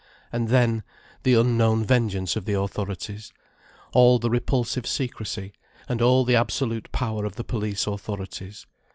And then—the unknown vengeance of the authorities. All the repulsive secrecy, and all the absolute power of the police authorities.